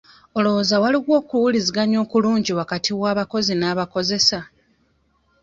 Olowooza waliwo okuwuliziganya okulungi wakati w'abakozi n'abakozesa?